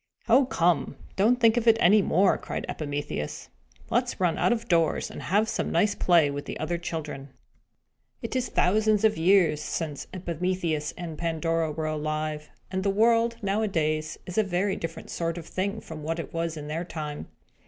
"Oh, come, don't think of it any more," cried Epimetheus. "Let us run out of doors, and have some nice play with the other children." It is thousands of years since Epimetheus and Pandora were alive; and the world, nowadays, is a very different sort of thing from what it was in their time.